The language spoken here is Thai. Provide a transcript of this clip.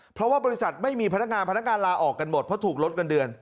เพราะว่าบริษัทไม่มีพนักงานพนักงานลาออกกันหมดเพราะถูกลดเงินเดือน